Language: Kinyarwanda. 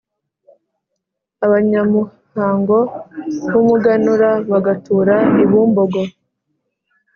abanyamuhango b’umuganura, bagatura i Bumbogo;